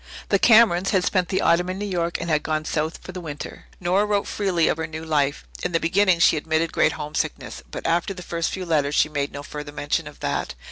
The Camerons had spent the autumn in New York and had then gone south for the winter. Nora wrote freely of her new life. In the beginning she admitted great homesickness, but after the first few letters she made no further mention of that.